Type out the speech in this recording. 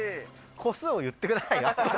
個数を言ってください。